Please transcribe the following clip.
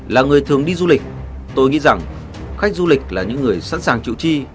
là người thường đi du lịch tôi nghĩ rằng khách du lịch là những người sẵn sàng chịu chi